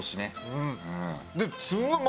うん。